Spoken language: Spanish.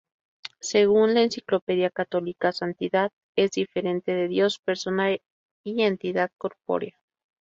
Según la Enciclopedia Católica "santidad" es diferente de Dios, persona y entidad corpórea.